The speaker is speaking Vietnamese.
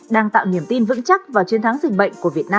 đang tạo niềm tin vững chắc vào chiến thắng dịch bệnh của việt nam